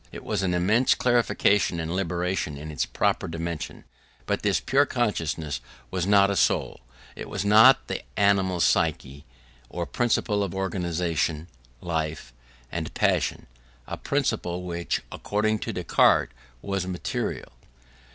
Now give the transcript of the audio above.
It was an immense clarification and liberation in its proper dimension: but this pure consciousness was not a soul; it was not the animal psyche, or principle of organisation, life, and passion a principle which, according to Descartes, was material.